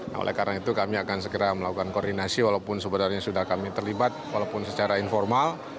nah oleh karena itu kami akan segera melakukan koordinasi walaupun sebenarnya sudah kami terlibat walaupun secara informal